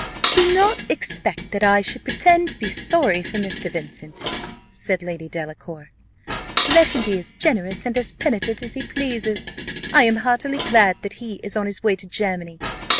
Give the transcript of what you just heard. "Do not expect that I should pretend to be sorry for Mr. Vincent," said Lady Delacour. "Let him be as generous and as penitent as he pleases, I am heartily glad that he is on his way to Germany.